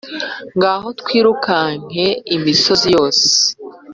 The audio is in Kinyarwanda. ngaho twirukanke imisozi yose